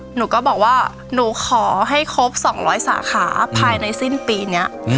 หนูก็บอกว่าหนูขอให้ครบ๒๐๐สาขาภายในสิ้นปีนี้